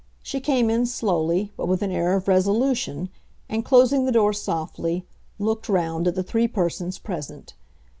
She came in slowly, but with an air of resolution, and, closing the door softly, looked round at the three persons present.